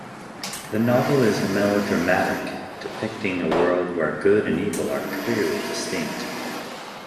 The novel is melodramatic depicting a world where good and evil are clearly distinct.